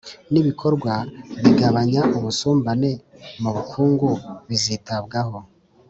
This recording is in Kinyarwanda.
n'ibikorwa bigabanya ubusumbane mu bukungu bizitabwaho.